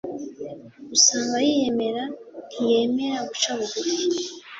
usanga yiyemera ntiyemera guca bugufi